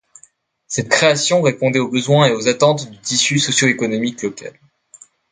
Cette création répondait aux besoins et aux attentes du tissu socio-économique local.